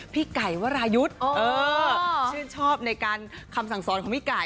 พี่ไก่วรายุทธ์ชื่นชอบในการคำสั่งสอนของพี่ไก่